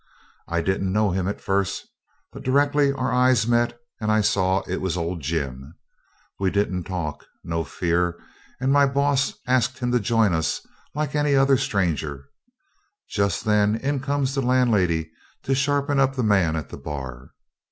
I didn't know him at first, but directly our eyes met I saw it was old Jim. We didn't talk no fear, and my boss asked him to join us, like any other stranger. Just then in comes the landlady to sharpen up the man at the bar.